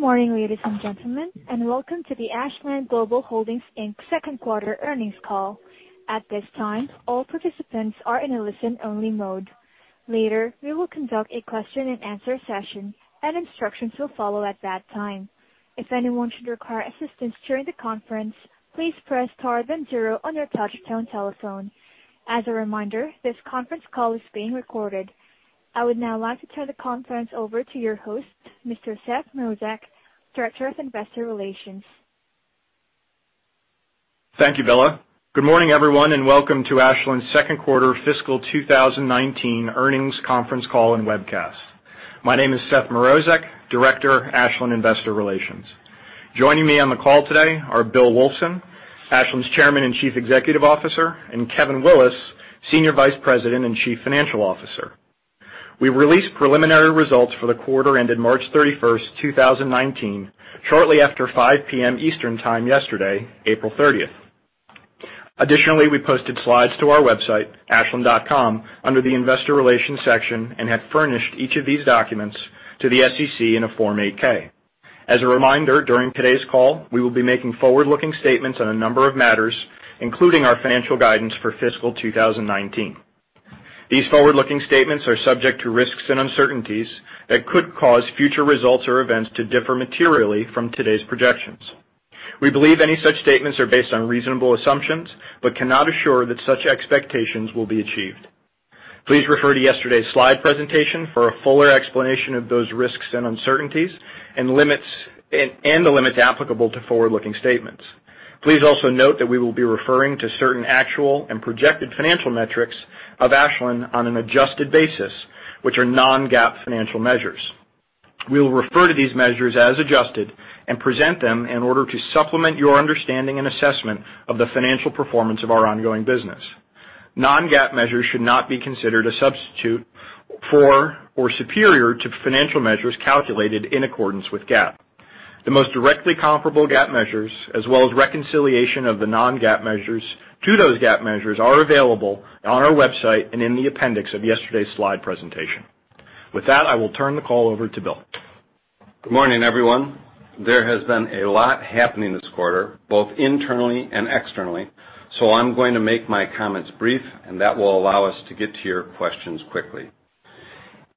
Good morning, ladies and gentlemen, and welcome to the Ashland Global Holdings Inc. second quarter earnings call. At this time, all participants are in a listen-only mode. Later, we will conduct a question and answer session, and instructions will follow at that time. If anyone should require assistance during the conference, please press star then zero on your touch-tone telephone. As a reminder, this conference call is being recorded. I would now like to turn the conference over to your host, Mr. Seth Mrozek, Director of Investor Relations. Thank you, Bella. Good morning, everyone, and welcome to Ashland's second quarter fiscal 2019 earnings conference call and webcast. My name is Seth Mrozek, Director, Ashland Investor Relations. Joining me on the call today are Bill Wulfsohn, Ashland's Chairman and Chief Executive Officer, and Kevin Willis, Senior Vice President and Chief Financial Officer. We released preliminary results for the quarter ended March 31st, 2019, shortly after 5:00 P.M. Eastern Time yesterday, April 30th. Additionally, we posted slides to our website, ashland.com, under the investor relations section and have furnished each of these documents to the SEC in a Form 8-K. As a reminder, during today's call, we will be making forward-looking statements on a number of matters, including our financial guidance for fiscal 2019. These forward-looking statements are subject to risks and uncertainties that could cause future results or events to differ materially from today's projections. We believe any such statements are based on reasonable assumptions, cannot assure that such expectations will be achieved. Please refer to yesterday's slide presentation for a fuller explanation of those risks and uncertainties and the limits applicable to forward-looking statements. Please also note that we will be referring to certain actual and projected financial metrics of Ashland on an adjusted basis, which are non-GAAP financial measures. We will refer to these measures as adjusted and present them in order to supplement your understanding and assessment of the financial performance of our ongoing business. Non-GAAP measures should not be considered a substitute for or superior to financial measures calculated in accordance with GAAP. The most directly comparable GAAP measures, as well as reconciliation of the non-GAAP measures to those GAAP measures, are available on our website and in the appendix of yesterday's slide presentation. With that, I will turn the call over to Bill. Good morning, everyone. There has been a lot happening this quarter, both internally and externally. I'm going to make my comments brief, and that will allow us to get to your questions quickly.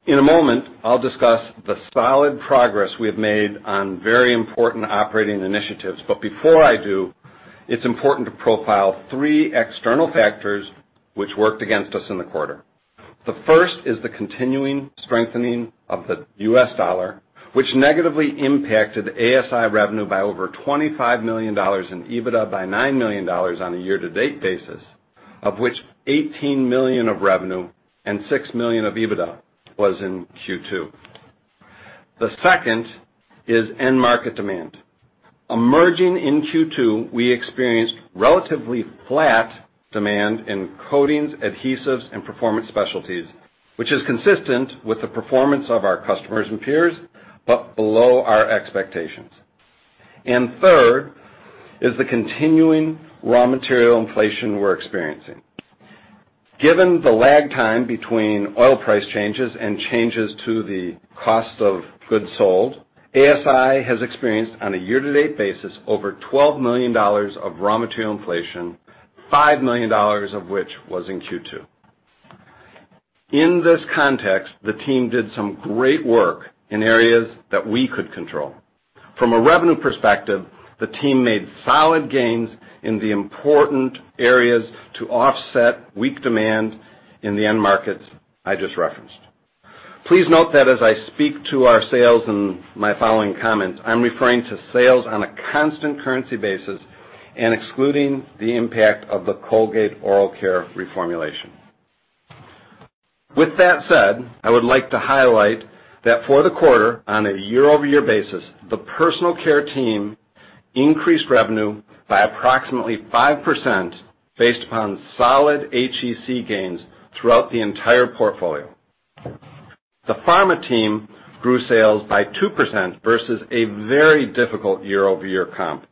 In a moment, I'll discuss the solid progress we have made on very important operating initiatives. Before I do, it's important to profile three external factors which worked against us in the quarter. The first is the continuing strengthening of the US dollar, which negatively impacted ASI revenue by over $25 million, and EBITDA by $9 million on a year-to-date basis, of which $18 million of revenue and $6 million of EBITDA was in Q2. The second is end market demand. Emerging in Q2, we experienced relatively flat demand in coatings, adhesives, and performance specialties, which is consistent with the performance of our customers and peers, but below our expectations. Third is the continuing raw material inflation we're experiencing. Given the lag time between oil price changes and changes to the cost of goods sold, ASI has experienced, on a year-to-date basis, over $12 million of raw material inflation, $5 million of which was in Q2. In this context, the team did some great work in areas that we could control. From a revenue perspective, the team made solid gains in the important areas to offset weak demand in the end markets I just referenced. Please note that as I speak to our sales in my following comments, I'm referring to sales on a constant currency basis and excluding the impact of the Colgate Oral Care reformulation. With that said, I would like to highlight that for the quarter, on a year-over-year basis, the personal care team increased revenue by approximately 5% based upon solid HEC gains throughout the entire portfolio. The pharma team grew sales by 2% versus a very difficult year-over-year comp.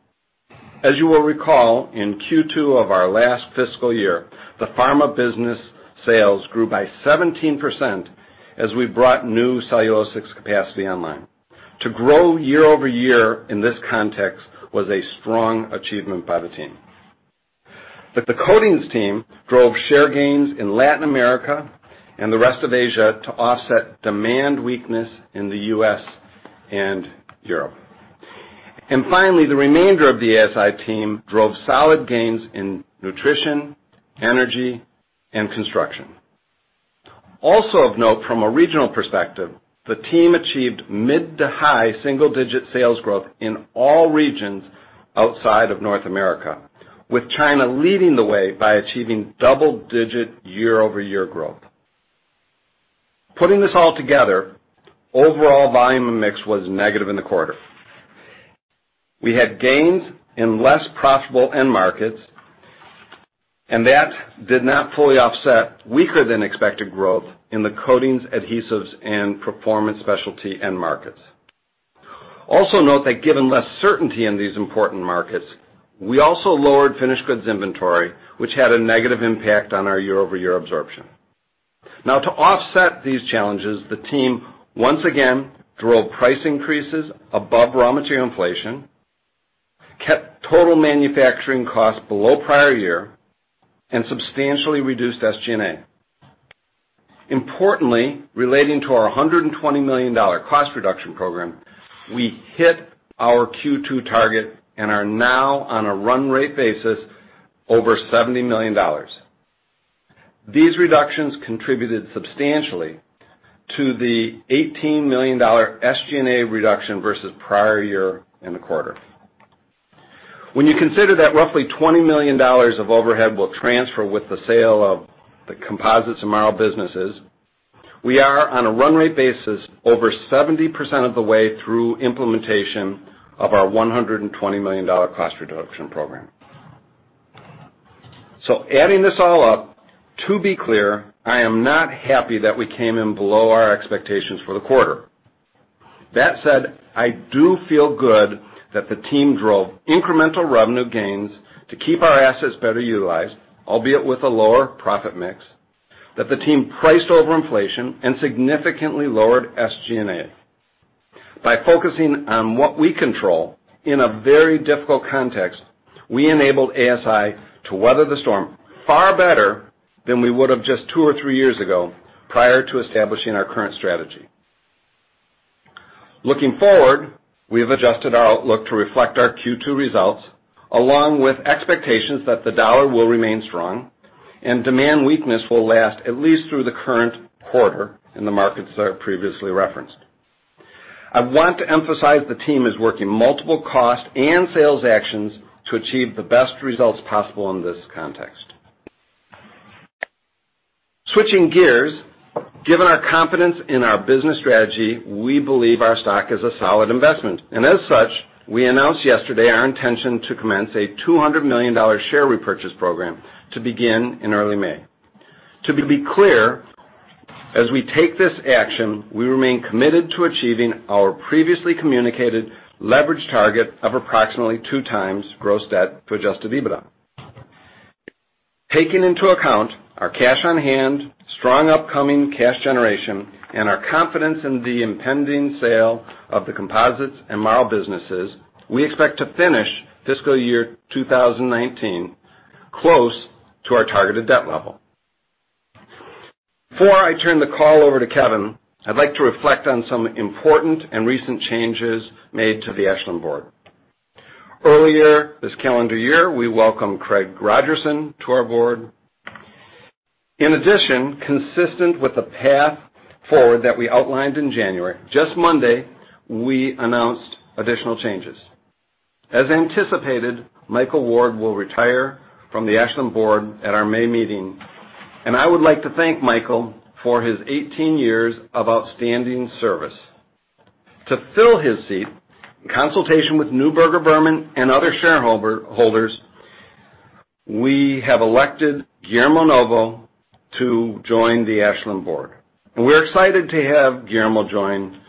As you will recall, in Q2 of our last fiscal year, the pharma business sales grew by 17% as we brought new Cellulosics capacity online. To grow year-over-year in this context was a strong achievement by the team. The coatings team drove share gains in Latin America and the rest of Asia to offset demand weakness in the U.S. and Europe. Finally, the remainder of the ASI team drove solid gains in nutrition, energy, and construction. Also of note from a regional perspective, the team achieved mid to high single-digit sales growth in all regions outside of North America, with China leading the way by achieving double-digit year-over-year growth. Putting this all together, overall volume and mix was negative in the quarter. We had gains in less profitable end markets, that did not fully offset weaker-than-expected growth in the coatings, adhesives, and performance specialty end markets. Also note that given less certainty in these important markets, we also lowered finished goods inventory, which had a negative impact on our year-over-year absorption. Now, to offset these challenges, the team once again drove price increases above raw material inflation, kept total manufacturing costs below prior year, and substantially reduced SG&A. Importantly, relating to our $120 million cost reduction program, we hit our Q2 target and are now on a run rate basis over $70 million. These reductions contributed substantially to the $18 million SG&A reduction versus the prior year in the quarter. When you consider that roughly $20 million of overhead will transfer with the sale of the Composites and Marl businesses, we are on a run rate basis over 70% of the way through implementation of our $120 million cost reduction program. Adding this all up, to be clear, I am not happy that we came in below our expectations for the quarter. That said, I do feel good that the team drove incremental revenue gains to keep our assets better utilized, albeit with a lower profit mix, that the team priced over inflation and significantly lowered SG&A. By focusing on what we control in a very difficult context, we enabled ASI to weather the storm far better than we would have just two or three years ago, prior to establishing our current strategy. Looking forward, we have adjusted our outlook to reflect our Q2 results, along with expectations that the dollar will remain strong and demand weakness will last at least through the current quarter in the markets that I previously referenced. I want to emphasize the team is working multiple cost and sales actions to achieve the best results possible in this context. Switching gears, given our confidence in our business strategy, we believe our stock is a solid investment. As such, we announced yesterday our intention to commence a $200 million share repurchase program to begin in early May. To be clear, as we take this action, we remain committed to achieving our previously communicated leverage target of approximately 2x gross debt to adjusted EBITDA. Taking into account our cash on hand, strong upcoming cash generation, and our confidence in the impending sale of the Composites and Marl businesses, we expect to finish fiscal year 2019 close to our targeted debt level. Before I turn the call over to Kevin, I'd like to reflect on some important and recent changes made to the Ashland board. Earlier this calendar year, we welcomed Craig Rogerson to our board. In addition, consistent with the path forward that we outlined in January, just Monday, we announced additional changes. As anticipated, Michael Ward will retire from the Ashland board at our May meeting, and I would like to thank Michael for his 18 years of outstanding service. To fill his seat, in consultation with Neuberger Berman and other shareholders, we have elected Guillermo Novo to join the Ashland board. We're excited to have Guillermo join,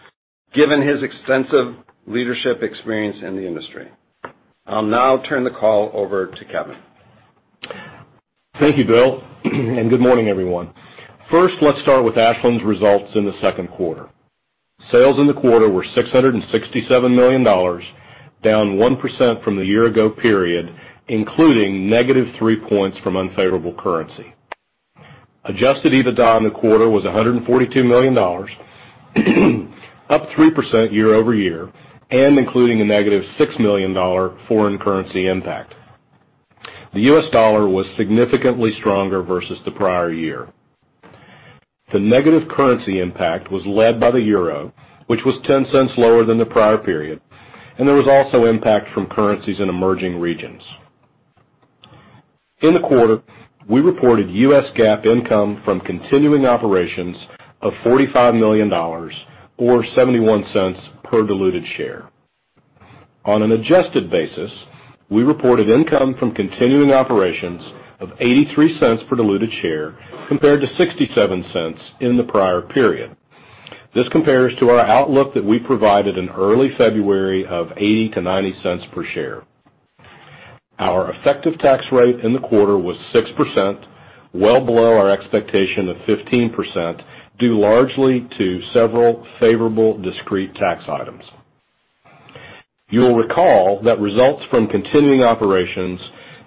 given his extensive leadership experience in the industry. I'll now turn the call over to Kevin. Thank you, Bill. Good morning, everyone. Let's start with Ashland's results in the second quarter. Sales in the quarter were $667 million, down 1% from the year-ago period, including negative 3 points from unfavorable currency. Adjusted EBITDA in the quarter was $142 million, up 3% year-over-year, including a negative $6 million foreign currency impact. The U.S. dollar was significantly stronger versus the prior year. The negative currency impact was led by the euro, which was $0.10 lower than the prior period. There was also impact from currencies in emerging regions. In the quarter, we reported U.S. GAAP income from continuing operations of $45 million, or $0.71 per diluted share. On an adjusted basis, we reported income from continuing operations of $0.83 per diluted share, compared to $0.67 in the prior period. This compares to our outlook that we provided in early February of $0.80-$0.90 per share. Our effective tax rate in the quarter was 6%, well below our expectation of 15%, due largely to several favorable discrete tax items. You'll recall that results from continuing operations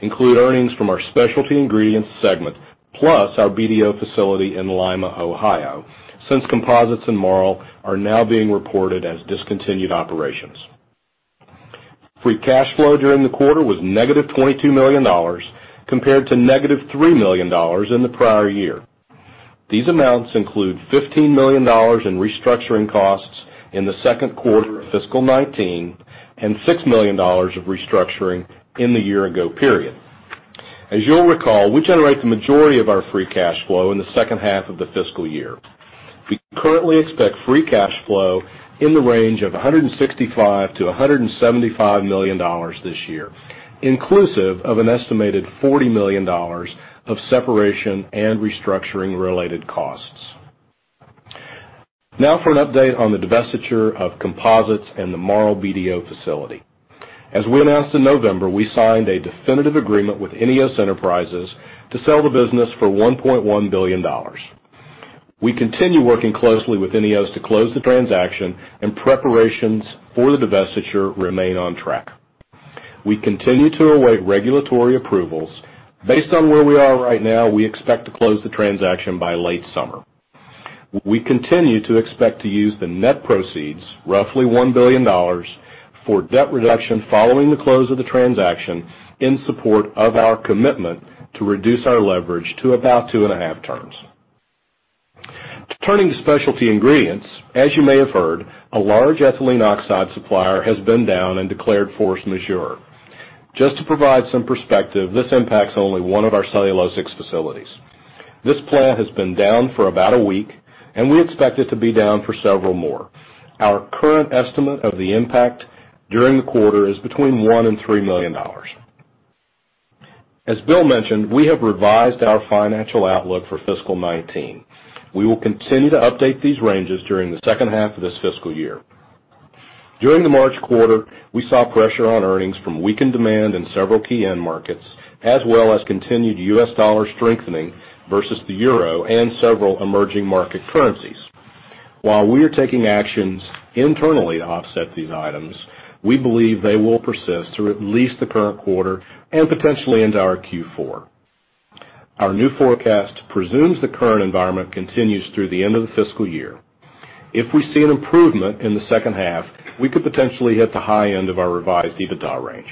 include earnings from our specialty ingredients segment, plus our BDO facility in Lima, Ohio, since Composites and Marl are now being reported as discontinued operations. Free cash flow during the quarter was negative $22 million, compared to negative $3 million in the prior year. These amounts include $15 million in restructuring costs in the second quarter of fiscal 2019, and $6 million of restructuring in the year-ago period. As you'll recall, we generate the majority of our free cash flow in the second half of the fiscal year. We currently expect free cash flow in the range of $165 million-$175 million this year, inclusive of an estimated $40 million of separation and restructuring related costs. For an update on the divestiture of Composites and the Marl BDO facility. As we announced in November, we signed a definitive agreement with INEOS Enterprises to sell the business for $1.1 billion. We continue working closely with INEOS to close the transaction. Preparations for the divestiture remain on track. We continue to await regulatory approvals. Based on where we are right now, we expect to close the transaction by late summer. We continue to expect to use the net proceeds, roughly $1 billion, for debt reduction following the close of the transaction in support of our commitment to reduce our leverage to about 2.5 turns. Turning to specialty ingredients, as you may have heard, a large ethylene oxide supplier has been down and declared force majeure. Just to provide some perspective, this impacts only one of our Cellulosics facilities. This plant has been down for about a week. We expect it to be down for several more. Our current estimate of the impact during the quarter is between $1 million-$3 million. As Bill mentioned, we have revised our financial outlook for fiscal 2019. We will continue to update these ranges during the second half of this fiscal year. During the March quarter, we saw pressure on earnings from weakened demand in several key end markets, as well as continued U.S. dollar strengthening versus the euro and several emerging market currencies. While we are taking actions internally to offset these items, we believe they will persist through at least the current quarter, and potentially into our Q4. Our new forecast presumes the current environment continues through the end of the fiscal year. If we see an improvement in the second half, we could potentially hit the high end of our revised EBITDA range.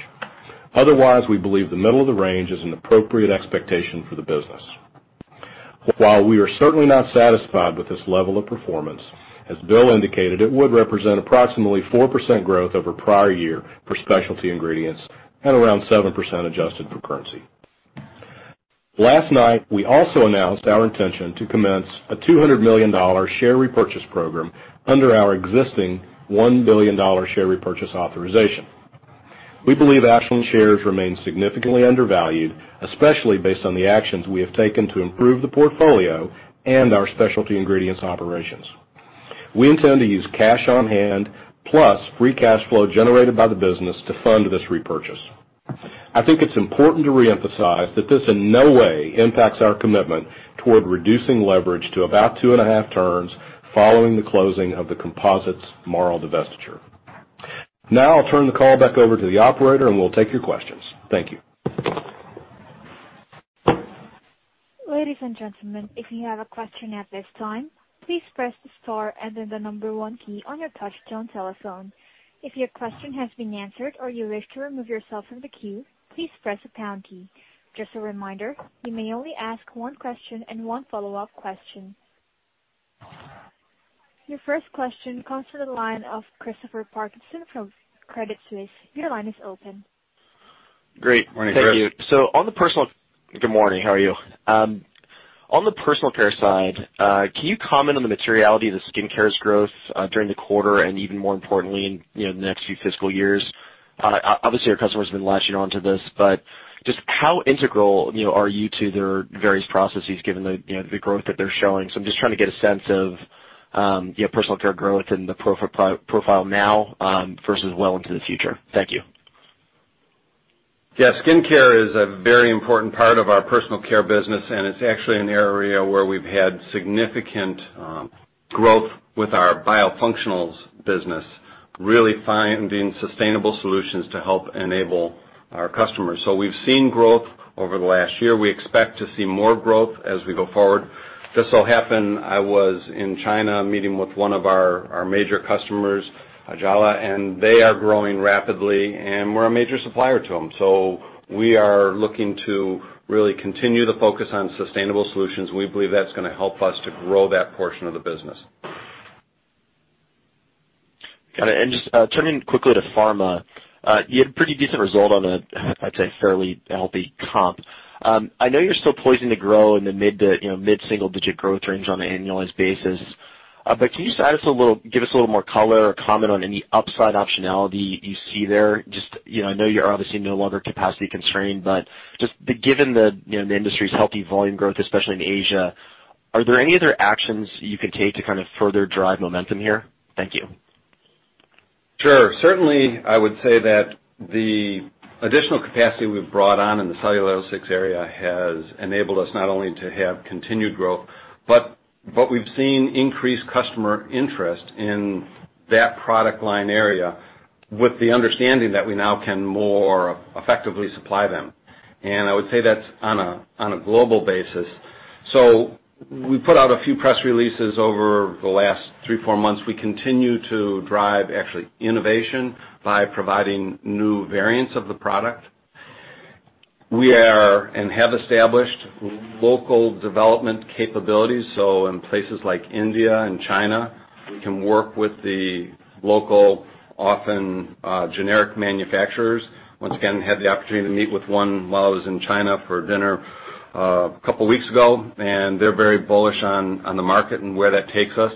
Otherwise, we believe the middle of the range is an appropriate expectation for the business. While we are certainly not satisfied with this level of performance, as Bill indicated, it would represent approximately 4% growth over prior year for specialty ingredients and around 7% adjusted for currency. Last night, we also announced our intention to commence a $200 million share repurchase program under our existing $1 billion share repurchase authorization. We believe Ashland shares remain significantly undervalued, especially based on the actions we have taken to improve the portfolio and our specialty ingredients operations. We intend to use cash on hand plus free cash flow generated by the business to fund this repurchase. I think it's important to reemphasize that this in no way impacts our commitment toward reducing leverage to about two and a half turns following the closing of the Composites Marl divestiture. Now I'll turn the call back over to the operator and we'll take your questions. Thank you. Ladies and gentlemen, if you have a question at this time, please press the star and then the number 1 key on your touchtone telephone. If your question has been answered or you wish to remove yourself from the queue, please press the pound key. Just a reminder, you may only ask 1 question and 1 follow-up question. Your first question comes to the line of Christopher Parkinson from Credit Suisse. Your line is open. Great. Morning, Chris. Thank you. Good morning. How are you? On the personal care side, can you comment on the materiality of the skincare's growth, during the quarter and even more importantly in the next few fiscal years? Obviously, your customers have been latching onto this, but just how integral are you to their various processes given the growth that they're showing? I'm just trying to get a sense of your personal care growth and the profile now versus well into the future. Thank you. Yeah. Skincare is a very important part of our personal care business, and it's actually an area where we've had significant growth with our biofunctionals business, really finding sustainable solutions to help enable our customers. We've seen growth over the last year. We expect to see more growth as we go forward. Just so it happened, I was in China meeting with one of our major customers, Anjiabeier, and they are growing rapidly, and we're a major supplier to them. We are looking to really continue the focus on sustainable solutions. We believe that's going to help us to grow that portion of the business. Got it. Just turning quickly to pharma. You had a pretty decent result on a, I'd say, fairly healthy comp. I know you're still poised to grow in the mid-single digit growth range on an annualized basis. Can you give us a little more color or comment on any upside optionality you see there? I know you're obviously no longer capacity constrained, but just given the industry's healthy volume growth, especially in Asia, are there any other actions you can take to further drive momentum here? Thank you. Sure. Certainly, I would say that the additional capacity we've brought on in the cellulosics area has enabled us not only to have continued growth, but we've seen increased customer interest in that product line area with the understanding that we now can more effectively supply them. I would say that's on a global basis. We put out a few press releases over the last three, four months. We continue to drive actually innovation by providing new variants of the product. We are and have established local development capabilities. In places like India and China, we can work with the local, often generic manufacturers. Once again, had the opportunity to meet with one while I was in China for dinner a couple of weeks ago, and they're very bullish on the market and where that takes us.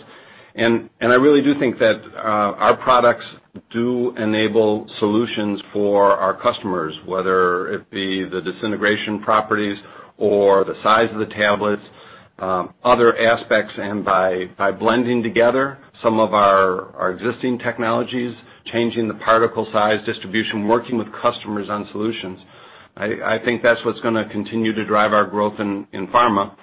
I really do think that our products do enable solutions for our customers, whether it be the disintegration properties or the size of the tablets, other aspects, and by blending together some of our existing technologies, changing the particle size distribution, working with customers on solutions. I think that's what's going to continue to drive our growth in pharma.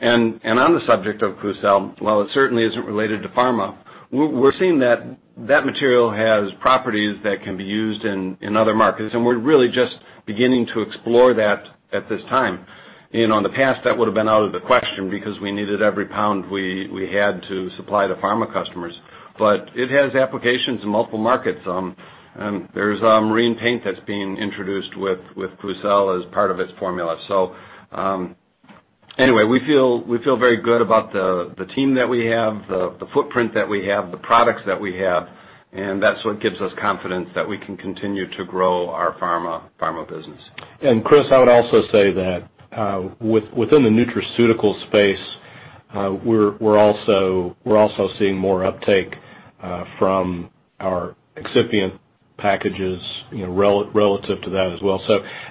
On the subject of Klucel, while it certainly isn't related to pharma, we're seeing that that material has properties that can be used in other markets, and we're really just beginning to explore that at this time. In the past, that would've been out of the question because we needed every pound we had to supply to pharma customers. It has applications in multiple markets. There's a marine paint that's being introduced with Klucel as part of its formula. Anyway, we feel very good about the team that we have, the footprint that we have, the products that we have, and that's what gives us confidence that we can continue to grow our pharma business. Chris, I would also say that, within the nutraceutical space, we're also seeing more uptake from our excipient packages relative to that as well.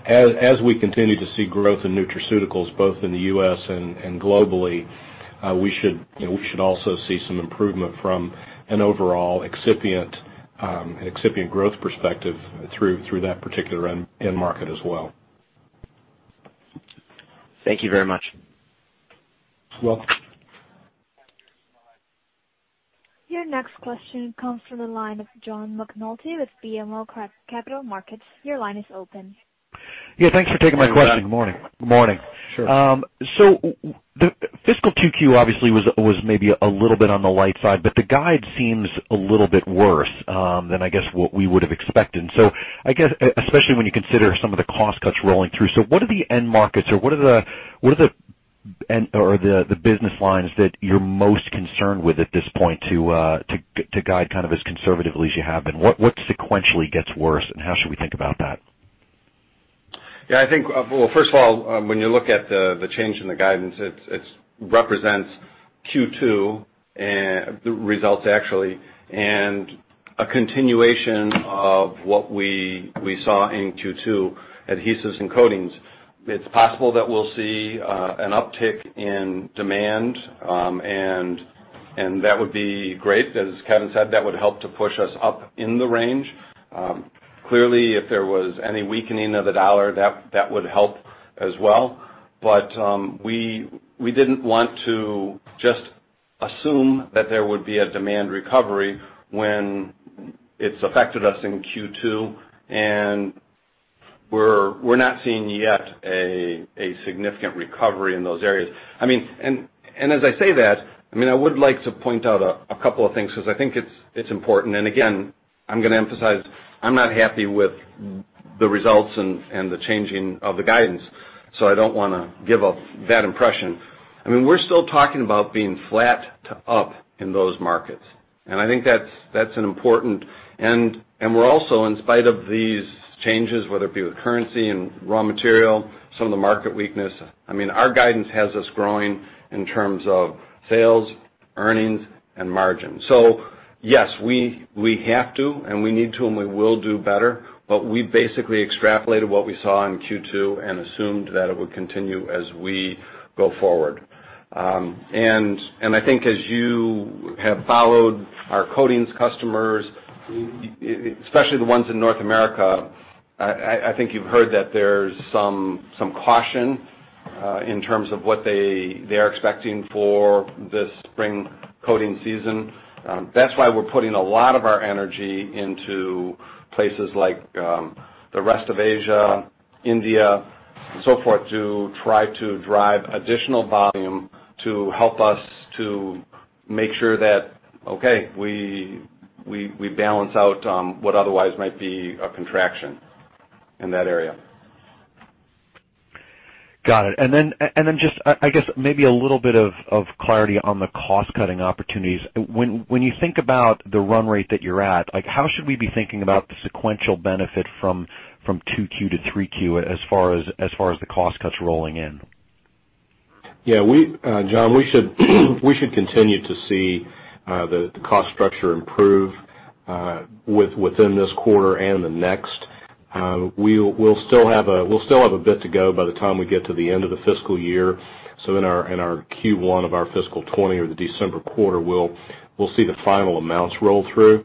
As we continue to see growth in nutraceuticals both in the U.S. and globally, we should also see some improvement from an overall excipient growth perspective through that particular end market as well. Thank you very much. You're welcome. Your next question comes from the line of John McNulty with BMO Capital Markets. Your line is open. Yeah, thanks for taking my question. Morning. Sure. The fiscal Q2 obviously was maybe a little bit on the light side, but the guide seems a little bit worse than I guess what we would've expected. I guess, especially when you consider some of the cost cuts rolling through, what are the end markets or what are the business lines that you're most concerned with at this point to guide kind of as conservatively as you have been? What sequentially gets worse and how should we think about that? Well, first of all, when you look at the change in the guidance, it represents Q2, the results actually, and a continuation of what we saw in Q2 adhesives and coatings. It's possible that we'll see an uptick in demand, and that would be great. As Kevin said, that would help to push us up in the range. Clearly, if there was any weakening of the dollar, that would help as well. We didn't want to just assume that there would be a demand recovery when it's affected us in Q2, and we're not seeing yet a significant recovery in those areas. As I say that, I would like to point out a couple of things because I think it's important, and again, I'm going to emphasize I'm not happy with the results and the changing of the guidance. I don't want to give that impression. We're still talking about being flat to up in those markets. I think that's an important. We're also in spite of these changes, whether it be with currency and raw material, some of the market weakness. Our guidance has us growing in terms of sales, earnings, and margin. Yes, we have to, and we need to, and we will do better, but we basically extrapolated what we saw in Q2 and assumed that it would continue as we go forward. I think as you have followed our coatings customers, especially the ones in North America, I think you've heard that there's some caution in terms of what they are expecting for this spring coating season. That's why we're putting a lot of our energy into places like the rest of Asia, India, and so forth, to try to drive additional volume to help us to make sure that, okay, we balance out what otherwise might be a contraction in that area. Got it. Just, I guess maybe a little bit of clarity on the cost-cutting opportunities. When you think about the run rate that you're at, how should we be thinking about the sequential benefit from Q2 to Q3 as far as the cost cuts rolling in? John, we should continue to see the cost structure improve within this quarter and the next. We'll still have a bit to go by the time we get to the end of the fiscal year. In our Q1 of our fiscal 2020 or the December quarter, we'll see the final amounts roll through.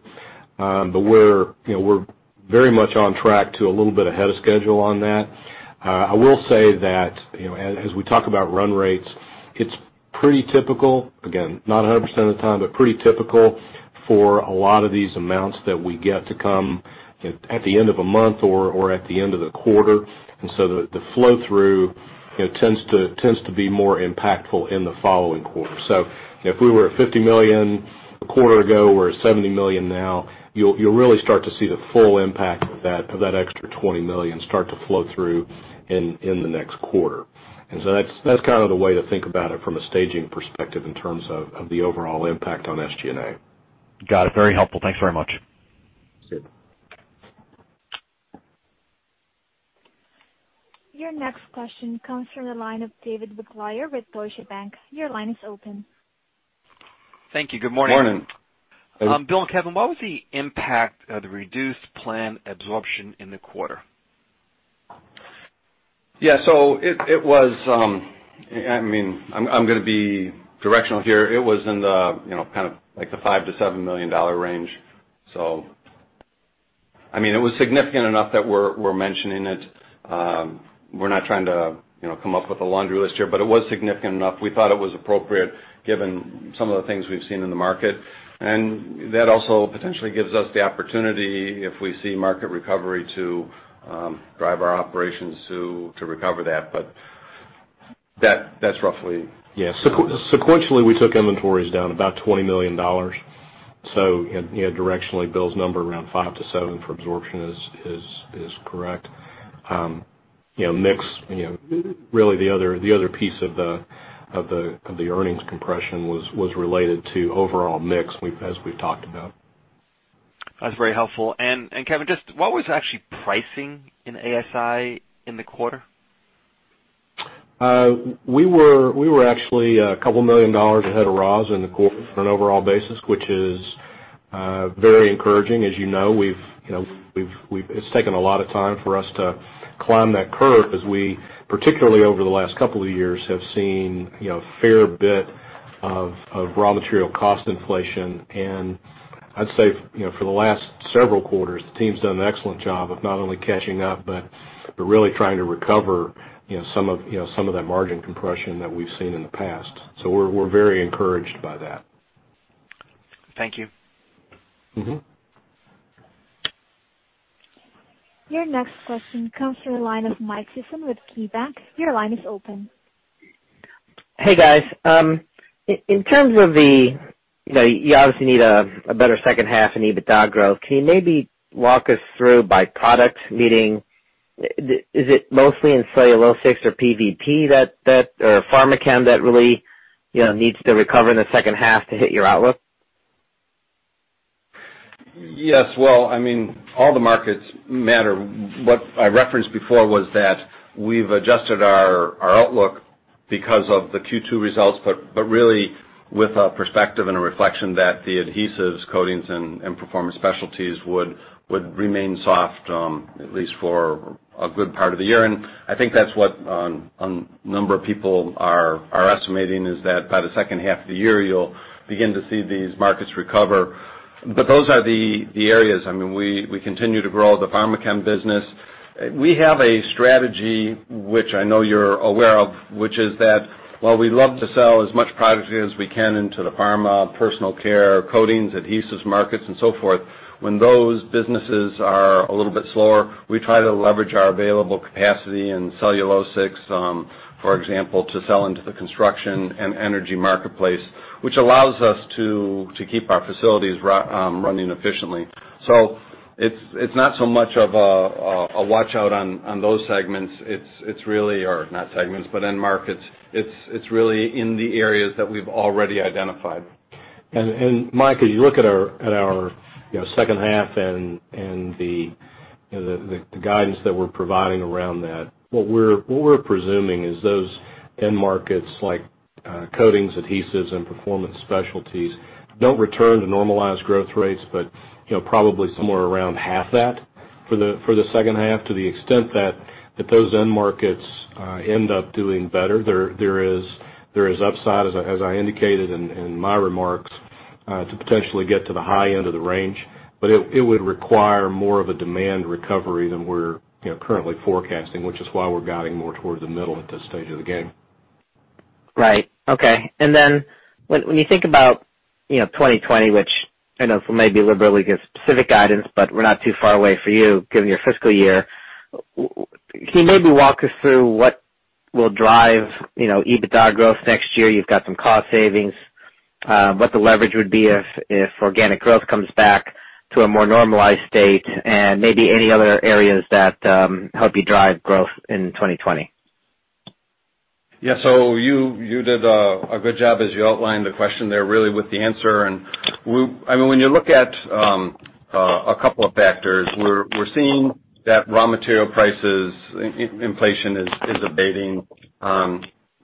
We're very much on track to a little bit ahead of schedule on that. I will say that as we talk about run rates, it's pretty typical. Again, not 100% of the time, but pretty typical for a lot of these amounts that we get to come at the end of a month or at the end of the quarter. The flow-through tends to be more impactful in the following quarter. If we were at $50 million a quarter ago, we're at $70 million now, you'll really start to see the full impact of that extra $20 million start to flow through in the next quarter. That's kind of the way to think about it from a staging perspective in terms of the overall impact on SG&A. Got it. Very helpful. Thanks very much. Good. Your next question comes from the line of David Begleiter with Deutsche Bank. Your line is open. Thank you. Good morning. Morning. Bill and Kevin, what was the impact of the reduced plan absorption in the quarter? Yeah, I'm going to be directional here. It was in the kind of $5 million-$7 million range. It was significant enough that we're mentioning it. We're not trying to come up with a laundry list here, but it was significant enough. We thought it was appropriate given some of the things we've seen in the market. That also potentially gives us the opportunity, if we see market recovery, to drive our operations to recover that. That's roughly. Yeah. Sequentially, we took inventories down about $20 million. Directionally, Bill's number around $5 million-$7 million for absorption is correct. Really the other piece of the earnings compression was related to overall mix as we've talked about. That's very helpful. Kevin, just what was actually pricing in ASI in the quarter? We were actually a couple million dollars ahead of raw in the quarter on an overall basis, which is very encouraging. As you know, it's taken a lot of time for us to climb that curve as we, particularly over the last couple of years, have seen a fair bit of raw material cost inflation. I'd say for the last several quarters, the team's done an excellent job of not only catching up, but really trying to recover some of that margin compression that we've seen in the past. We're very encouraged by that. Thank you. Your next question comes from the line of Michael Sison with KeyBanc. Your line is open. Hey, guys. You obviously need a better second half in EBITDA growth. Can you maybe walk us through by product, meaning is it mostly in Cellulosics or PVP or Pharmachem that really needs to recover in the second half to hit your outlook? Yes. Well, all the markets matter. What I referenced before was that we've adjusted our outlook because of the Q2 results, but really with a perspective and a reflection that the adhesives, coatings, and performance specialties would remain soft, at least for a good part of the year. I think that's what a number of people are estimating, is that by the second half of the year, you'll begin to see these markets recover. Those are the areas. We continue to grow the Pharmachem business. We have a strategy, which I know you're aware of, which is that while we love to sell as much product as we can into the pharma, personal care, coatings, adhesives markets, and so forth, when those businesses are a little bit slower, we try to leverage our available capacity in Cellulosics, for example, to sell into the construction and energy marketplace, which allows us to keep our facilities running efficiently. It's not so much of a watch-out on those segments, or not segments, but end markets. It's really in the areas that we've already identified. Mike, as you look at our second half and the guidance that we're providing around that, what we're presuming is those end markets like coatings, adhesives, and performance specialties don't return to normalized growth rates, but probably somewhere around half that for the second half to the extent that if those end markets end up doing better, there is upside, as I indicated in my remarks, to potentially get to the high end of the range. It would require more of a demand recovery than we're currently forecasting, which is why we're guiding more towards the middle at this stage of the game. When you think about 2020, which I know we don't really give specific guidance, We're not too far away for you given your fiscal year, can you maybe walk us through what will drive EBITDA growth next year? You've got some cost savings. What the leverage would be if organic growth comes back to a more normalized state, and maybe any other areas that help you drive growth in 2020. Yeah. You did a good job as you outlined the question there really with the answer. When you look at a couple of factors, we're seeing that raw material prices inflation is abating.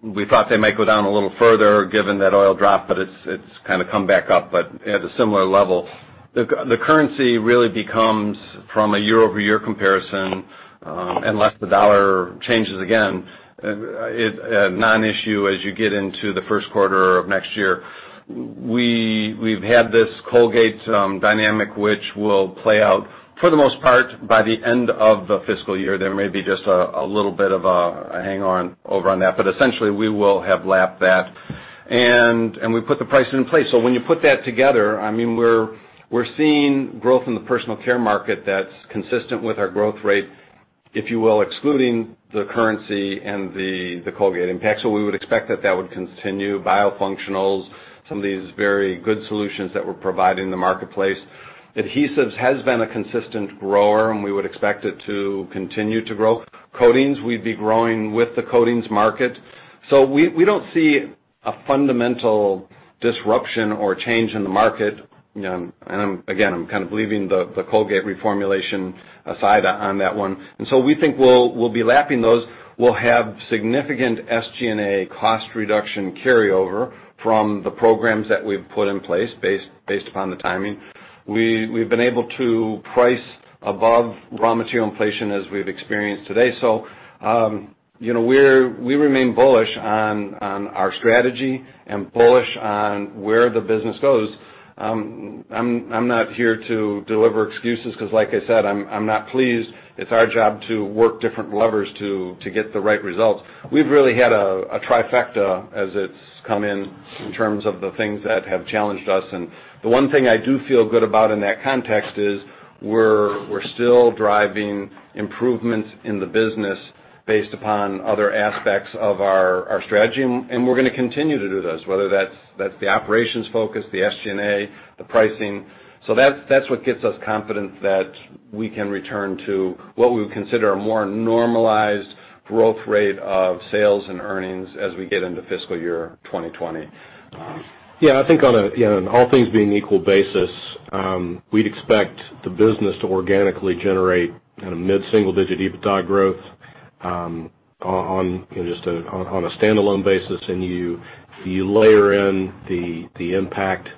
We thought they might go down a little further given that oil drop, it's kind of come back up, but at a similar level. The currency really becomes from a year-over-year comparison, unless the dollar changes again, a non-issue as you get into the first quarter of next year. We've had this Colgate dynamic, which will play out for the most part by the end of the fiscal year. There may be just a little bit of a hang on over on that, essentially we will have lapped that. We put the pricing in place. When you put that together, we're seeing growth in the personal care market that's consistent with our growth rate, if you will, excluding the currency and the Colgate impact. We would expect that that would continue. Biofunctionals, some of these very good solutions that we're providing the marketplace. Adhesives has been a consistent grower, we would expect it to continue to grow. Coatings, we'd be growing with the coatings market. We don't see a fundamental disruption or change in the market. Again, I'm kind of leaving the Colgate reformulation aside on that one. We think we'll be lapping those. We'll have significant SG&A cost reduction carryover from the programs that we've put in place based upon the timing. We've been able to price above raw material inflation as we've experienced today. We remain bullish on our strategy and bullish on where the business goes. I'm not here to deliver excuses because like I said, I'm not pleased. It's our job to work different levers to get the right results. We've really had a trifecta as it's come in in terms of the things that have challenged us. The one thing I do feel good about in that context is we're still driving improvements in the business based upon other aspects of our strategy, and we're going to continue to do this, whether that's the operations focus, the SG&A, the pricing. That's what gives us confidence that we can return to what we would consider a more normalized growth rate of sales and earnings as we get into fiscal year 2020. Yeah, I think on an all things being equal basis, we'd expect the business to organically generate mid-single-digit EBITDA growth on a standalone basis. You layer in the impact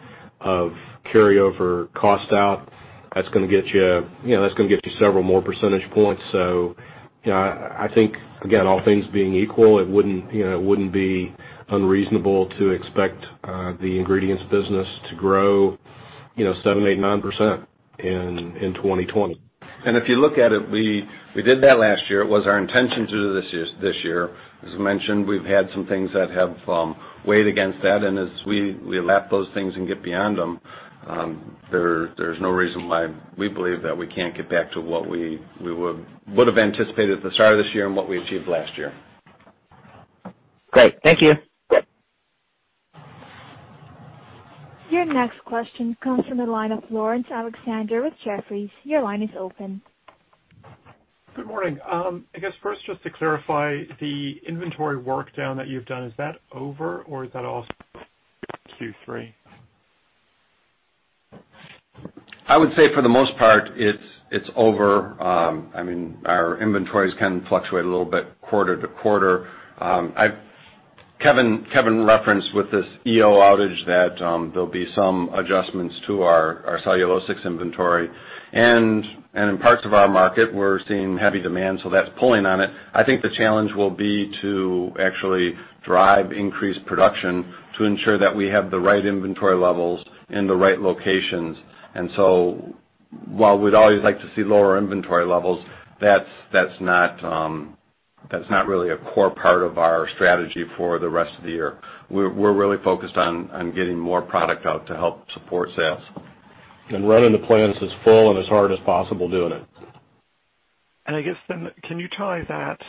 of carryover cost out, that's going to get you several more percentage points. I think, again, all things being equal, it wouldn't be unreasonable to expect the ingredients business to grow 7%, 8%, 9% in 2020. If you look at it, we did that last year. It was our intention to do this year. As I mentioned, we've had some things that have weighed against that. As we lap those things and get beyond them, there's no reason why we believe that we can't get back to what we would've anticipated at the start of this year and what we achieved last year. Great. Thank you. Yep. Your next question comes from the line of Laurence Alexander with Jefferies. Your line is open. Good morning. I guess first, just to clarify, the inventory work down that you've done, is that over or is that also Q3? I would say for the most part, it's over. Our inventories can fluctuate a little bit quarter to quarter. Kevin referenced with this EO outage that there'll be some adjustments to our cellulosic inventory. In parts of our market, we're seeing heavy demand, so that's pulling on it. I think the challenge will be to actually drive increased production to ensure that we have the right inventory levels in the right locations. While we'd always like to see lower inventory levels, that's not really a core part of our strategy for the rest of the year. We're really focused on getting more product out to help support sales. Running the plants as full and as hard as possible doing it. I guess then, can you tie that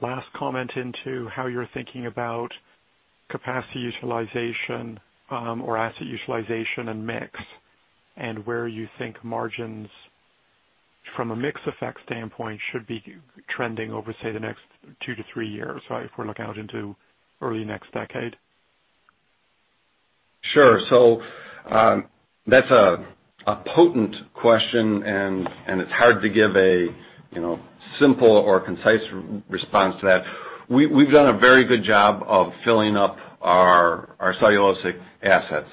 last comment into how you're thinking about capacity utilization or asset utilization and mix, and where you think margins, from a mix effect standpoint, should be trending over, say, the next two to three years, if we're looking out into early next decade? That's a potent question, and it's hard to give a simple or concise response to that. We've done a very good job of filling up our cellulosic assets.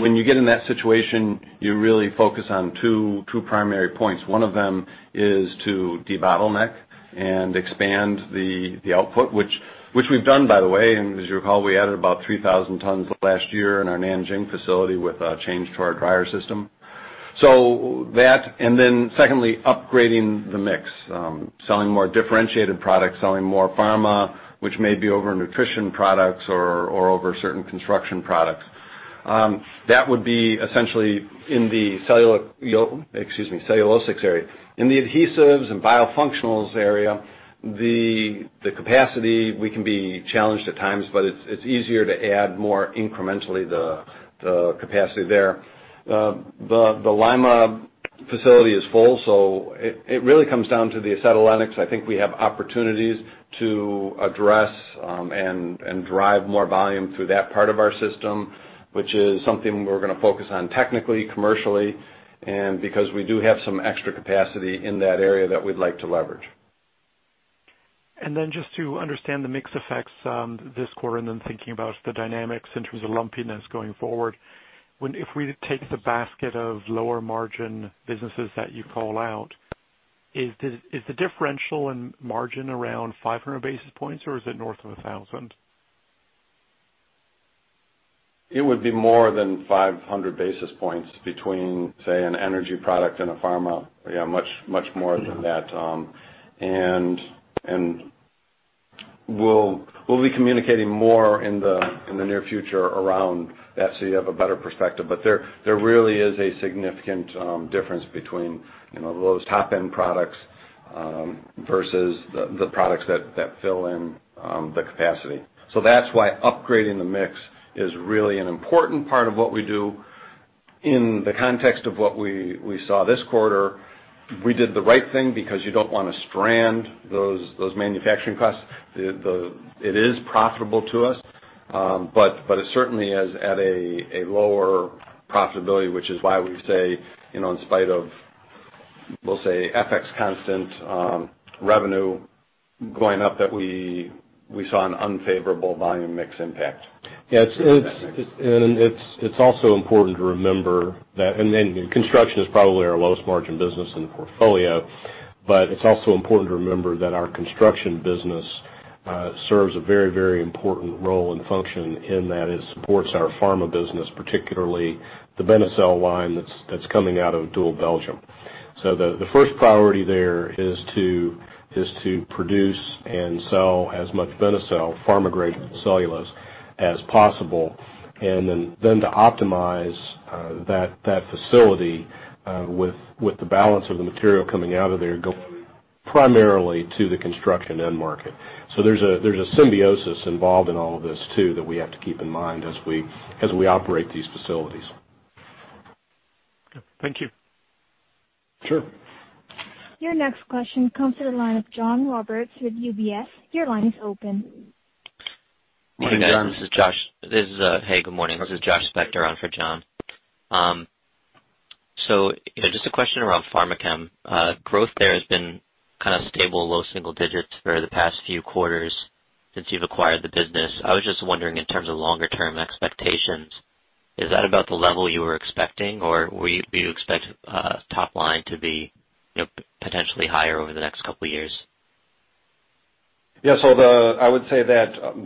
When you get in that situation, you really focus on two primary points. One of them is to debottleneck and expand the output, which we've done, by the way. As you recall, we added about 3,000 tons last year in our Nanjing facility with a change to our dryer system. That, and then secondly, upgrading the mix. Selling more differentiated products, selling more pharma, which may be over nutrition products or over certain construction products. That would be essentially in the cellulosic area. In the adhesives and biofunctionals area, the capacity, we can be challenged at times, but it's easier to add more incrementally the capacity there. The Lima facility is full, it really comes down to the acetylenics. I think we have opportunities to address and drive more volume through that part of our system, which is something we're going to focus on technically, commercially, and because we do have some extra capacity in that area that we'd like to leverage. Just to understand the mix effects this quarter, and then thinking about the dynamics in terms of lumpiness going forward, if we take the basket of lower margin businesses that you call out, is the differential in margin around 500 basis points or is it north of 1,000? It would be more than 500 basis points between, say, an energy product and a pharma. Yeah, much more than that. We'll be communicating more in the near future around that so you have a better perspective. There really is a significant difference between those top-end products versus the products that fill in the capacity. That's why upgrading the mix is really an important part of what we do. In the context of what we saw this quarter, we did the right thing because you don't want to strand those manufacturing costs. It is profitable to us, but it certainly is at a lower profitability, which is why we say, in spite of, we'll say FX constant revenue going up, that we saw an unfavorable volume mix impact. It's also important to remember that Construction is probably our lowest margin business in the portfolio, but it's also important to remember that our construction business serves a very important role and function in that it supports our pharma business, particularly the Benecel line that's coming out of Hopewell, Belgium. The first priority there is to produce and sell as much Benecel pharma-grade cellulose as possible. Then to optimize that facility with the balance of the material coming out of there, going primarily to the construction end market. There's a symbiosis involved in all of this too that we have to keep in mind as we operate these facilities. Okay. Thank you. Sure. Your next question comes to the line of John Roberts with UBS. Your line is open. Morning, John, this is Josh. Hey, good morning. This is Josh Spector on for John. Just a question around Pharmachem. Growth there has been kind of stable, low single digits for the past few quarters since you've acquired the business. I was just wondering, in terms of longer-term expectations, is that about the level you were expecting, or do you expect top line to be potentially higher over the next couple of years? I would say that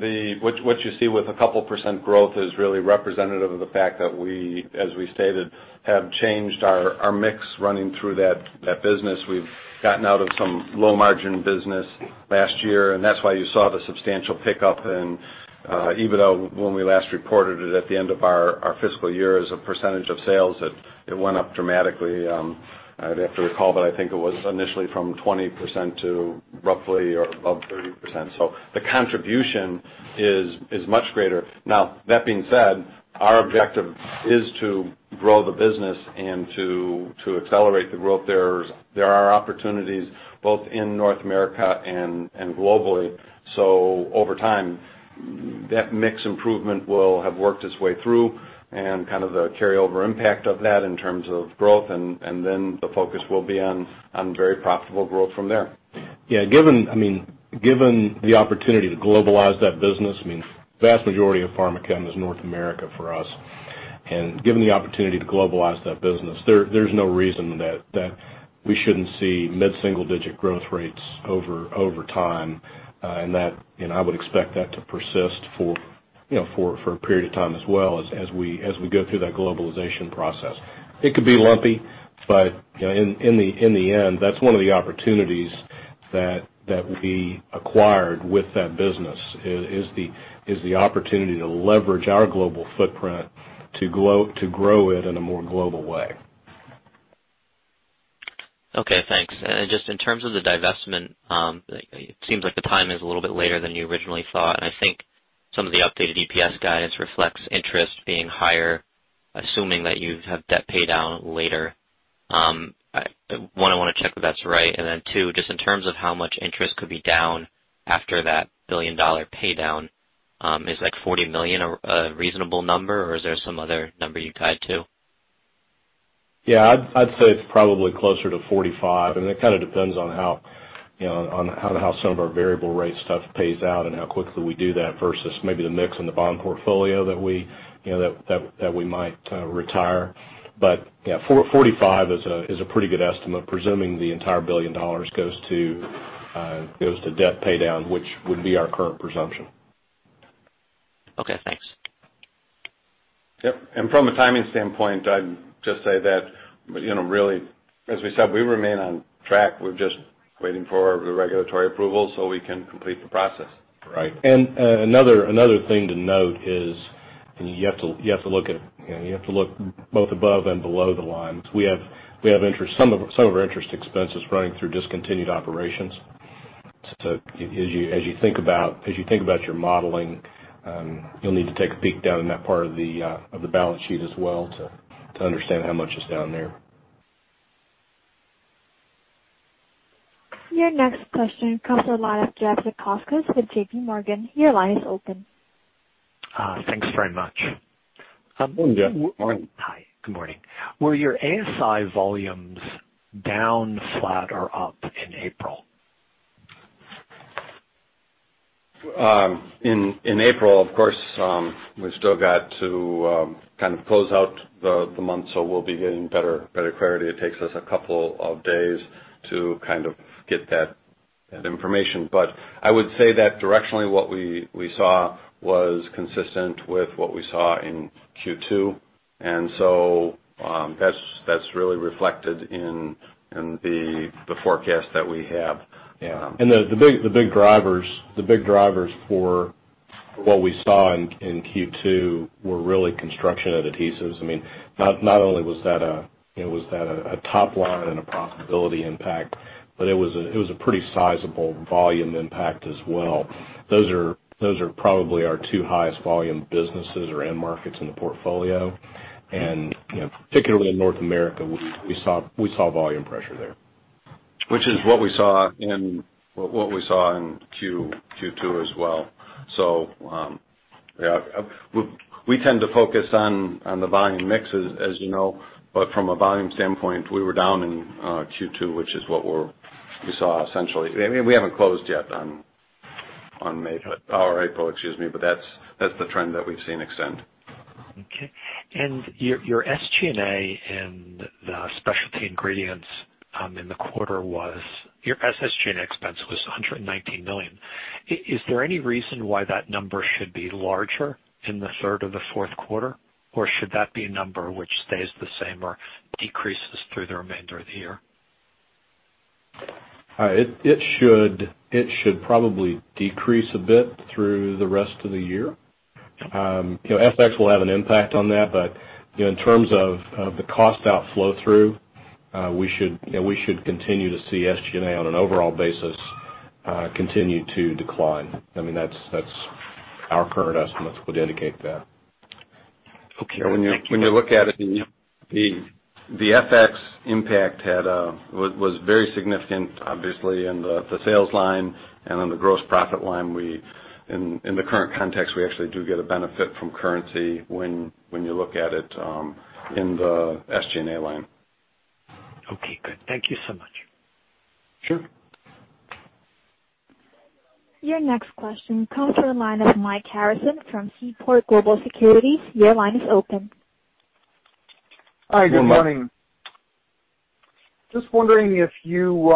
what you see with a couple % growth is really representative of the fact that we, as we stated, have changed our mix running through that business. We've gotten out of some low margin business last year, and that's why you saw the substantial pickup in, even though when we last reported it at the end of our fiscal year as a percentage of sales, it went up dramatically. I'd have to recall, but I think it was initially from 20% to roughly or above 30%. The contribution is much greater. Now, that being said, our objective is to grow the business and to accelerate the growth there. There are opportunities both in North America and globally. Over time, that mix improvement will have worked its way through and kind of the carryover impact of that in terms of growth, and then the focus will be on very profitable growth from there. Yeah. Given the opportunity to globalize that business, vast majority of Pharmachem is North America for us. Given the opportunity to globalize that business, there's no reason that we shouldn't see mid-single digit growth rates over time. I would expect that to persist for a period of time as well as we go through that globalization process. It could be lumpy, but in the end, that's one of the opportunities that we acquired with that business, is the opportunity to leverage our global footprint to grow it in a more global way. Okay, thanks. Just in terms of the divestment, it seems like the timing is a little bit later than you originally thought, and I think some of the updated EPS guidance reflects interest being higher, assuming that you have debt paydown later. One, I want to check if that's right. Then two, just in terms of how much interest could be down after that billion-dollar paydown, is like $40 million a reasonable number, or is there some other number you tied to? Yeah. I'd say it's probably closer to 45. It kind of depends on how some of our variable rate stuff pays out and how quickly we do that versus maybe the mix in the bond portfolio that we might retire. Yeah, 45 is a pretty good estimate, presuming the entire $1 billion goes to debt paydown, which would be our current presumption. Okay, thanks. Yep. From a timing standpoint, I'd just say that really, as we said, we remain on track. We're just waiting for the regulatory approval so we can complete the process. Right. Another thing to note is you have to look both above and below the lines. We have some of our interest expenses running through discontinued operations. As you think about your modeling, you'll need to take a peek down in that part of the balance sheet as well to understand how much is down there. Your next question comes from the line of Jeff Zekauskas with JPMorgan. Your line is open. Thanks very much. Good morning, Jeff. Morning. Hi, good morning. Were your ASI volumes down, flat, or up in April? In April, of course, we've still got to kind of close out the month, so we'll be getting better clarity. It takes us a couple of days to kind of get that information. I would say that directionally, what we saw was consistent with what we saw in Q2, and so that's really reflected in the forecast that we have. The big drivers for what we saw in Q2 were really construction and adhesives. Not only was that a top line and a profitability impact, but it was a pretty sizable volume impact as well. Those are probably our two highest volume businesses or end markets in the portfolio. Particularly in North America, we saw volume pressure there. Which is what we saw in Q2 as well. Yeah. We tend to focus on the volume mixes, as you know, but from a volume standpoint, we were down in Q2, which is what we saw essentially. We haven't closed yet on May, or April, excuse me, but that's the trend that we've seen extend. Okay. Your SG&A in the specialty ingredients in the quarter, your SG&A expense was $119 million. Is there any reason why that number should be larger in the third or the fourth quarter? Should that be a number which stays the same or decreases through the remainder of the year? It should probably decrease a bit through the rest of the year. FX will have an impact on that, but in terms of the cost out flow through, we should continue to see SG&A on an overall basis, continue to decline. Our current estimates would indicate that. Okay. Thank you. When you look at it, the FX impact was very significant, obviously, in the sales line and on the gross profit line. In the current context, we actually do get a benefit from currency when you look at it in the SG&A line. Okay, good. Thank you so much. Sure. Your next question comes from the line of Michael Harrison from Seaport Global Securities. Your line is open. Hi, good morning. Good morning. Just wondering if you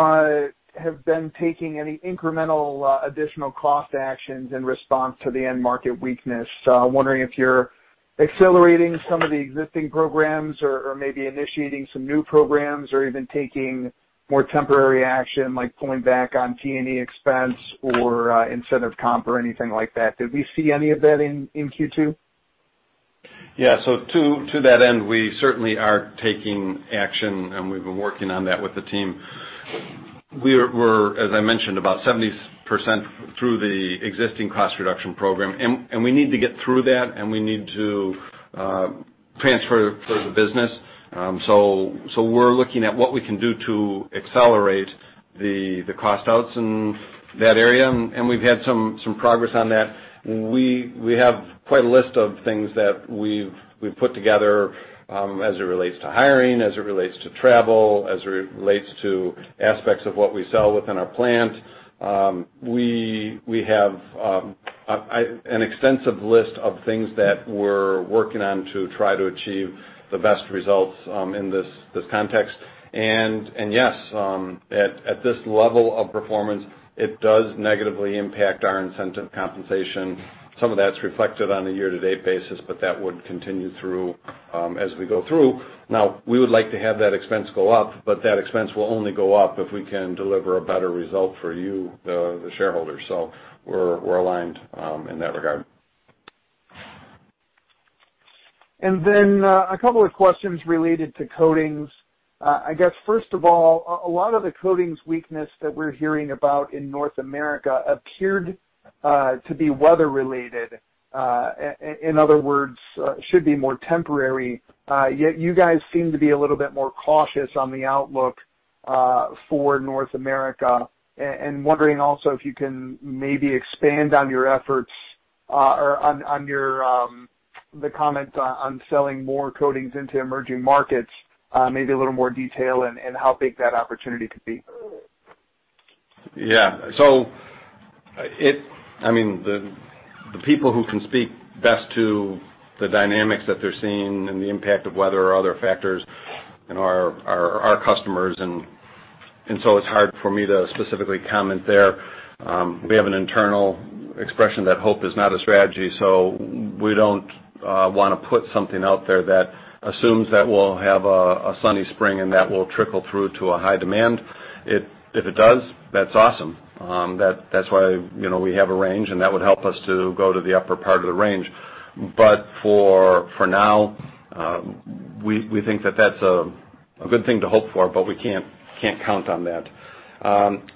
have been taking any incremental additional cost actions in response to the end market weakness. Wondering if you're accelerating some of the existing programs or maybe initiating some new programs or even taking more temporary action, like pulling back on T&E expense or incentive comp or anything like that. Did we see any of that in Q2? Yeah. To that end, we certainly are taking action, and we've been working on that with the team. We're, as I mentioned, about 70% through the existing cost reduction program, and we need to get through that, and we need to transfer the business. We're looking at what we can do to accelerate the cost outs in that area, and we've had some progress on that. We have quite a list of things that we've put together, as it relates to hiring, as it relates to travel, as it relates to aspects of what we sell within our plant. We have an extensive list of things that we're working on to try to achieve the best results in this context. Yes, at this level of performance, it does negatively impact our incentive compensation. Some of that's reflected on a year-to-date basis, but that would continue through as we go through. We would like to have that expense go up, but that expense will only go up if we can deliver a better result for you, the shareholders. We're aligned in that regard. A couple of questions related to coatings. I guess, first of all, a lot of the coatings weakness that we're hearing about in North America appeared to be weather related. In other words, should be more temporary. You guys seem to be a little bit more cautious on the outlook for North America. Wondering also if you can maybe expand on your efforts or on the comment on selling more coatings into emerging markets, maybe a little more detail and how big that opportunity could be. Yeah. The people who can speak best to the dynamics that they're seeing and the impact of weather or other factors are our customers and it's hard for me to specifically comment there. We have an internal expression that hope is not a strategy, so we don't want to put something out there that assumes that we'll have a sunny spring and that will trickle through to a high demand. If it does, that's awesome. That's why we have a range, and that would help us to go to the upper part of the range. For now, we think that that's a good thing to hope for, but we can't count on that.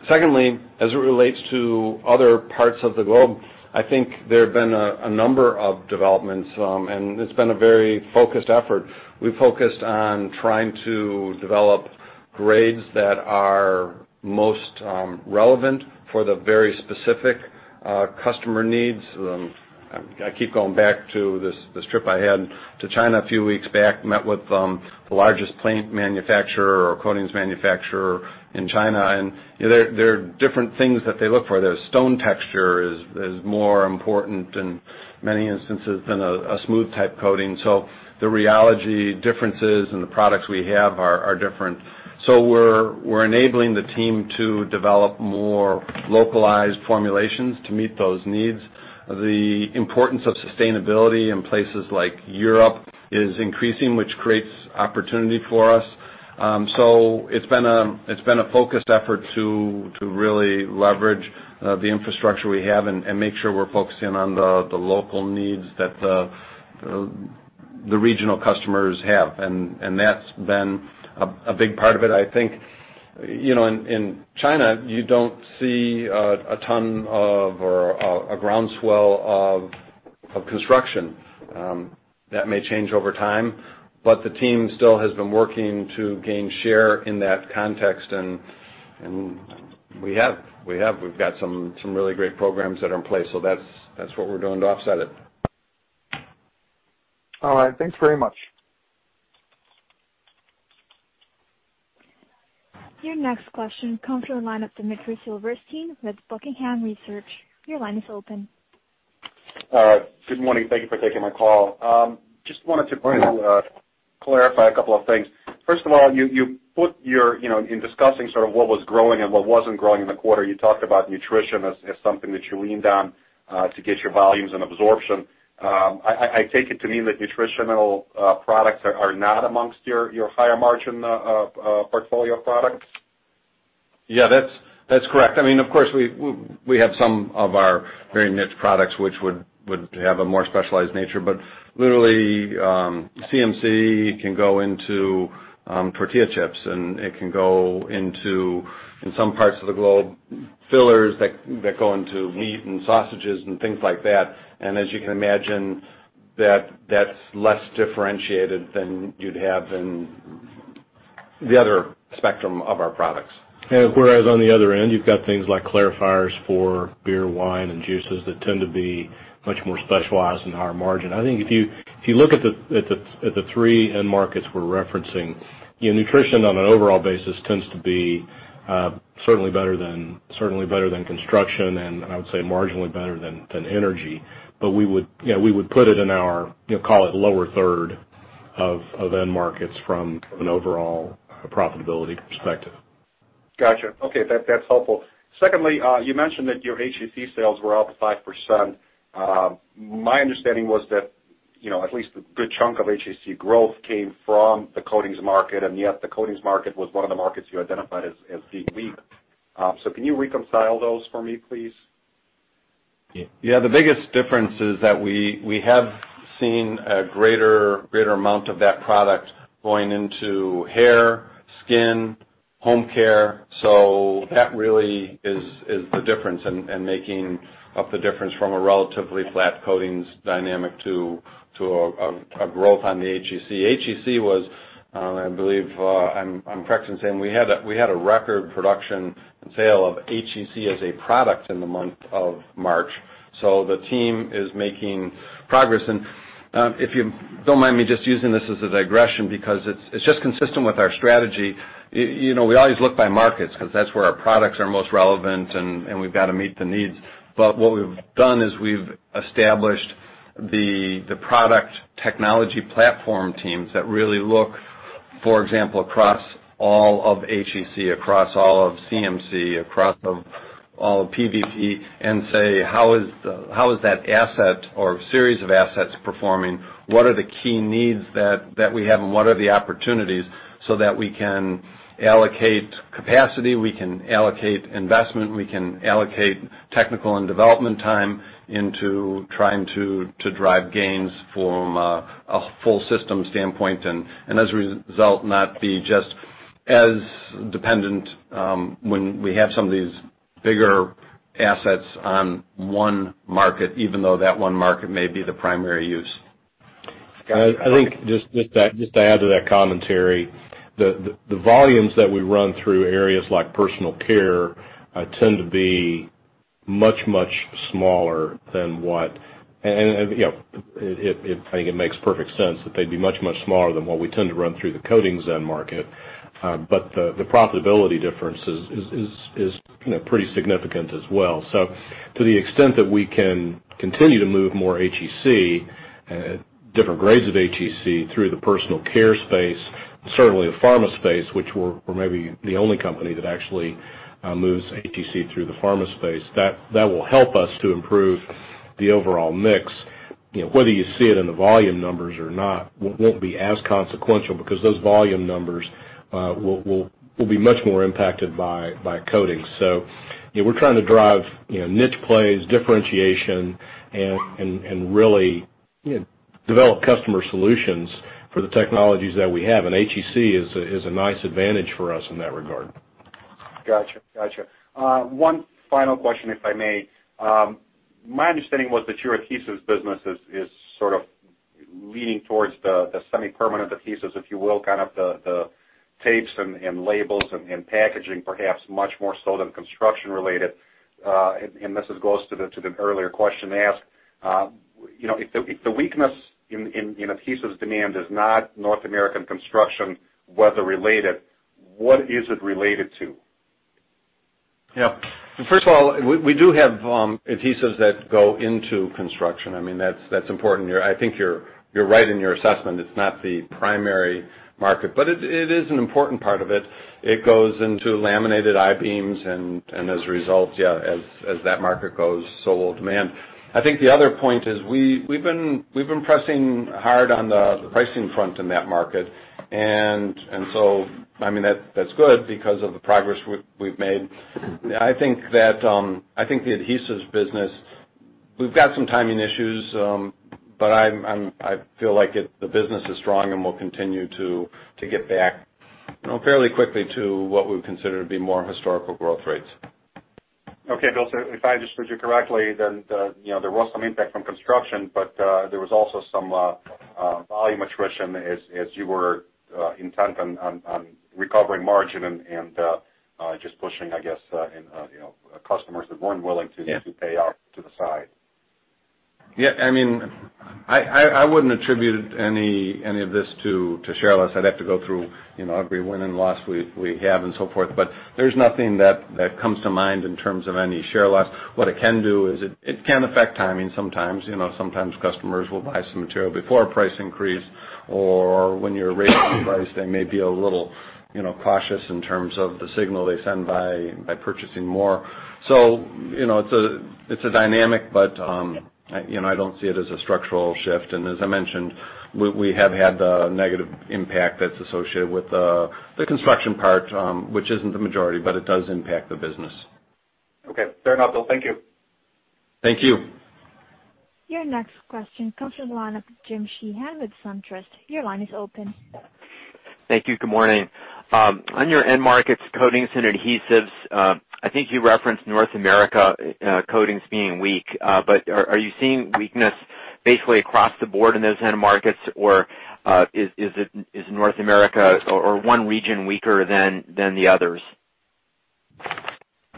Secondly, as it relates to other parts of the globe, I think there have been a number of developments, and it's been a very focused effort. We focused on trying to develop grades that are most relevant for the very specific customer needs. I keep going back to this trip I had to China a few weeks back, met with the largest plant manufacturer or coatings manufacturer in China, there are different things that they look for. Their stone texture is more important in many instances than a smooth type coating. The rheology differences in the products we have are different. We're enabling the team to develop more localized formulations to meet those needs. The importance of sustainability in places like Europe is increasing, which creates opportunity for us. It's been a focused effort to really leverage the infrastructure we have and make sure we're focusing on the local needs that the regional customers have. That's been a big part of it. I think in China, you don't see a ton of or a groundswell of construction. That may change over time, the team still has been working to gain share in that context, we have. We've got some really great programs that are in place. That's what we're doing to offset it. All right. Thanks very much. Your next question comes from the line of Dmitry Silverstein with Buckingham Research. Your line is open. All right. Good morning. Thank you for taking my call. Just wanted to briefly clarify a couple of things. First of all, in discussing sort of what was growing and what wasn't growing in the quarter, you talked about nutrition as something that you leaned on to get your volumes and absorption. I take it to mean that nutritional products are not amongst your higher margin portfolio of products? Yeah, that's correct. Of course, we have some of our very niche products which would have a more specialized nature, literally, CMC can go into tortilla chips, and it can go into, in some parts of the globe, fillers that go into meat and sausages and things like that. As you can imagine, that's less differentiated than you'd have in the other spectrum of our products. Whereas on the other end, you've got things like clarifiers for beer, wine, and juices that tend to be much more specialized and higher margin. I think if you look at the three end markets we're referencing, nutrition on an overall basis tends to be certainly better than construction, I would say marginally better than energy. We would put it in our, call it lower third of end markets from an overall profitability perspective. Got you. Okay, that's helpful. Secondly, you mentioned that your HEC sales were up 5%. My understanding was that at least a good chunk of HEC growth came from the coatings market, and yet the coatings market was one of the markets you identified as being weak. Can you reconcile those for me, please? Yeah. The biggest difference is that we have seen a greater amount of that product going into hair, skin, home care. That really is the difference in making up the difference from a relatively flat coatings dynamic to a growth on the HEC. HEC was, I believe I'm correct in saying, we had a record production and sale of HEC as a product in the month of March. The team is making progress. If you don't mind me just using this as a digression, because it's just consistent with our strategy. We always look by markets because that's where our products are most relevant, and we've got to meet the needs. What we've done is we've established the product technology platform teams that really look, for example, across all of HEC, across all of CMC, across all of PVP, and say, how is that asset or series of assets performing? What are the key needs that we have, and what are the opportunities so that we can allocate capacity, we can allocate investment, we can allocate technical and development time into trying to drive gains from a full system standpoint, and as a result, not be just as dependent when we have some of these bigger assets on one market, even though that one market may be the primary use. I think just to add to that commentary, the volumes that we run through areas like personal care tend to be much, much smaller than what I think it makes perfect sense that they'd be much, much smaller than what we tend to run through the coatings end market. The profitability difference is pretty significant as well. To the extent that we can continue to move more HEC, different grades of HEC through the personal care space, certainly the pharma space, which we're maybe the only company that actually moves HEC through the pharma space, that will help us to improve the overall mix. Whether you see it in the volume numbers or not won't be as consequential because those volume numbers will be much more impacted by coatings. We're trying to drive niche plays, differentiation, and really develop customer solutions for the technologies that we have, and HEC is a nice advantage for us in that regard. Got you. One final question, if I may. My understanding was that your adhesives business is sort of leaning towards the semi-permanent adhesives, if you will, kind of the tapes and labels and packaging perhaps much more so than construction-related. This goes to the earlier question asked. If the weakness in adhesives demand is not North American construction weather-related, what is it related to? Yeah. First of all, we do have adhesives that go into construction. That's important. I think you're right in your assessment. It's not the primary market, but it is an important part of it. It goes into laminated I-beams, and as a result, yeah, as that market goes, so will demand. I think the other point is we've been pressing hard on the pricing front in that market, and so that's good because of the progress we've made. I think the adhesives business, we've got some timing issues, but I feel like the business is strong and will continue to get back fairly quickly to what we would consider to be more historical growth rates. Okay, Bill, if I understood you correctly, then there was some impact from construction, but there was also some volume attrition as you were intent on recovering margin and just pushing, I guess, customers that weren't willing to- Yeah pay out to the side. Yeah. I wouldn't attribute any of this to share loss. I'd have to go through every win and loss we have and so forth. There's nothing that comes to mind in terms of any share loss. What it can do is it can affect timing sometimes. Sometimes customers will buy some material before a price increase, or when you're raising price, they may be a little cautious in terms of the signal they send by purchasing more. It's a dynamic, but I don't see it as a structural shift. As I mentioned, we have had the negative impact that's associated with the construction part, which isn't the majority, but it does impact the business. Okay. Fair enough, Bill. Thank you. Thank you. Your next question comes from the line of James Sheehan with SunTrust. Your line is open. Thank you. Good morning. On your end markets, coatings, and adhesives, I think you referenced North America coatings being weak. Are you seeing weakness basically across the board in those end markets, or is North America or one region weaker than the others? As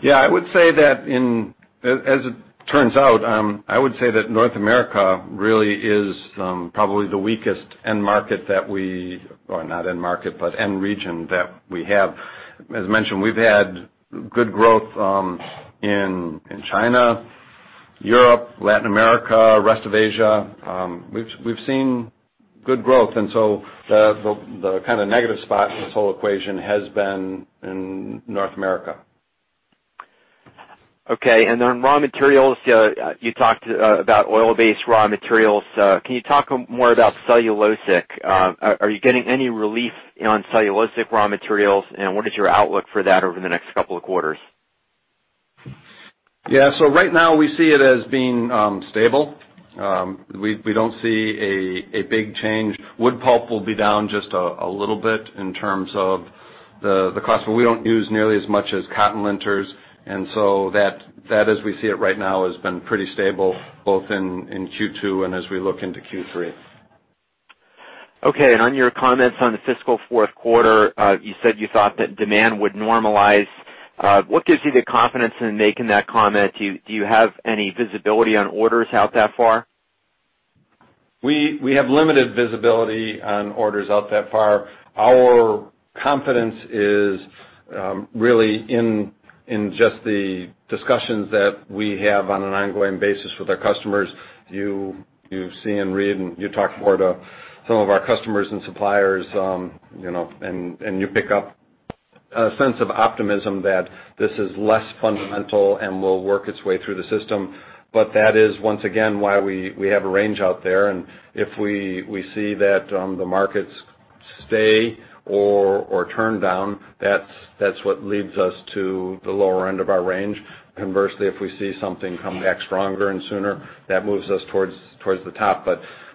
it turns out, I would say that North America really is probably the weakest end market that we-- or not end market, but end region that we have. As mentioned, we've had good growth in China, Europe, Latin America, rest of Asia. We've seen good growth. The kind of negative spot in this whole equation has been in North America. Okay. Raw materials, you talked about oil-based raw materials. Can you talk more about cellulosic? Are you getting any relief on cellulosic raw materials? What is your outlook for that over the next couple of quarters? Right now, we see it as being stable. We don't see a big change. Wood pulp will be down just a little bit in terms of the cost, but we don't use nearly as much as cotton linters. That, as we see it right now, has been pretty stable both in Q2 and as we look into Q3. Okay. On your comments on the fiscal fourth quarter, you said you thought that demand would normalize. What gives you the confidence in making that comment? Do you have any visibility on orders out that far? We have limited visibility on orders out that far. Our confidence is really in just the discussions that we have on an ongoing basis with our customers. You see and read and you talk more to some of our customers and suppliers, and you pick up a sense of optimism that this is less fundamental and will work its way through the system. That is, once again, why we have a range out there. If we see that the markets stay or turn down, that's what leads us to the lower end of our range. Conversely, if we see something come back stronger and sooner, that moves us towards the top.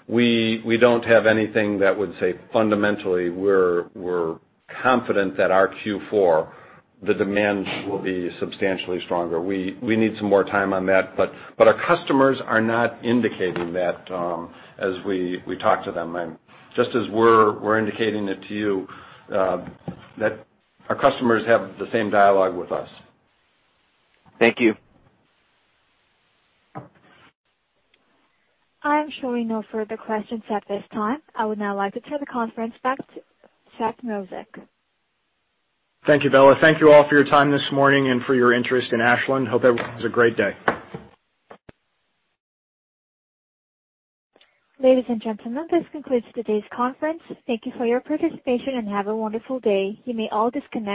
We don't have anything that would say fundamentally, we're confident that our Q4, the demand will be substantially stronger. We need some more time on that. Our customers are not indicating that as we talk to them. Just as we're indicating it to you, that our customers have the same dialogue with us. Thank you. I am showing no further questions at this time. I would now like to turn the conference back to Seth Mrozek. Thank you, Bella. Thank you all for your time this morning and for your interest in Ashland. Hope everyone has a great day. Ladies and gentlemen, this concludes today's conference. Thank you for your participation, and have a wonderful day. You may all disconnect.